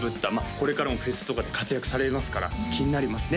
これからもフェスとかで活躍されますから気になりますね